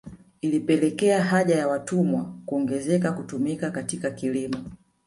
Ilipelekea haja ya watumwa kuongezeka kutumika katika kilimo